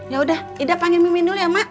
yaudah ida panggil mimin dulu ya mak